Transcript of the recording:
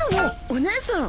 お姉さん。